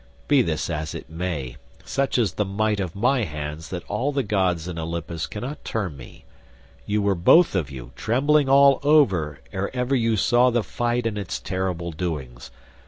Be this as it may, such is the might of my hands that all the gods in Olympus cannot turn me; you were both of you trembling all over ere ever you saw the fight and its terrible doings.